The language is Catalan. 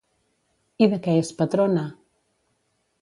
I de què és patrona?